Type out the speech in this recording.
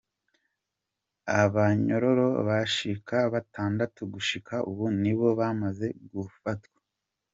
Abanyororo bashika batandatu gushika ubu ni bo bamaze gufatwa.